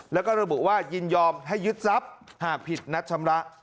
แล้วก็ระบุว่ายินยอมให้ยึดทรัพย์หากผิดนัดชำระ